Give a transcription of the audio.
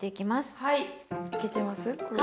はいいけてます。